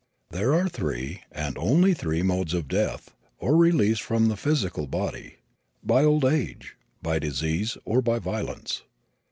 There are three, and only three modes of death, or release from the physical body by old age, by disease, or by violence.